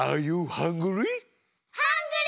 ハングリー！